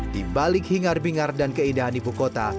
di balik hingar bingar dan keindahan ibu kota